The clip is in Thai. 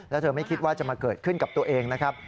แล้วเธอไม่คิดว่าจะมาเกิดขึ้นกับตัวเองนะครับ